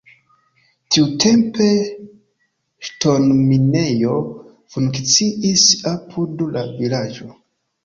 Tiutempe ŝtonminejo funkciis apud la vilaĝo.